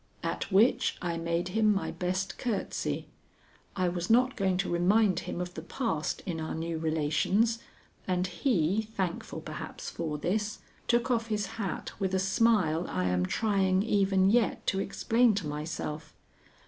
At which I made him my best courtesy. I was not going to remind him of the past in our new relations, and he, thankful perhaps for this, took off his hat with a smile I am trying even yet to explain to myself.